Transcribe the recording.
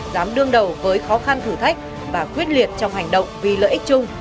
dám đương đầu với khó khăn thử thách và quyết liệt trong hành động vì lợi ích chung